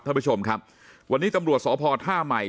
ท่านผู้ชมครับวันนี้ตำรวจสพท่าใหม่